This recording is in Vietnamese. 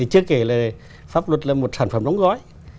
chưa kể là pháp luật là một sản phẩm đóng gói